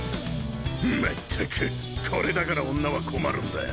まったくこれだから女は困るんだ。